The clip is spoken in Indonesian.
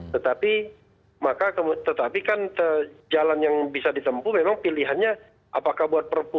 tetapi maka tetapi kan jalan yang bisa ditempu memang pilihannya apakah buat perpu